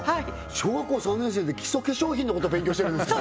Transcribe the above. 小学校３年生で基礎化粧品のこと勉強してるんですか